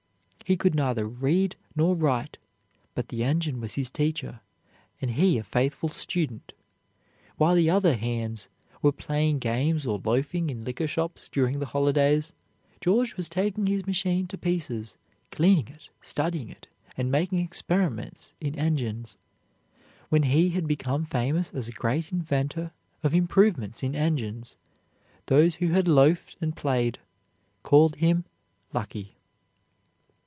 He could neither read nor write, but the engine was his teacher, and he a faithful student. While the other hands were playing games or loafing in liquor shops during the holidays, George was taking his machine to pieces, cleaning it, studying it, and making experiments in engines. When he had become famous as a great inventor of improvements in engines, those who had loafed and played called him lucky.